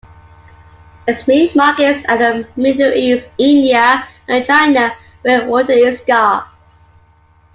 Its main markets are the Middle East, India and China, where water is scarce.